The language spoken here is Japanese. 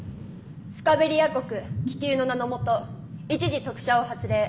スカベリア国姫宮の名のもと一時特赦を発令。